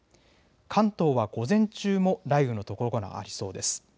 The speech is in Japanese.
関東は午前中も雷雨の所がありそうです。